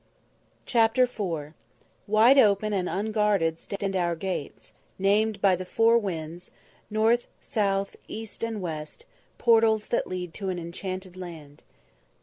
CHAPTER IV "_Wide open and unguarded stand our gates, Named by the four winds, North, South, East and West; Portals that lead to an enchanted land.